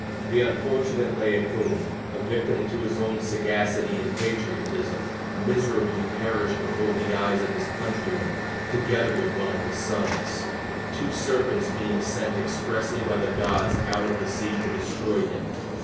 The unfortunate Laocoon, a victim to his own sagacity and patriotism, miserably perished before the eyes of his countrymen, together with one of his sons: two serpents being sent expressly by the gods out of the sea to destroy him.